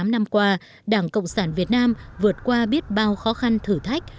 tám mươi năm năm qua đảng cộng sản việt nam vượt qua biết bao khó khăn thử thách